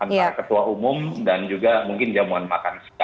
antara ketua umum dan juga mungkin jamuan makan siang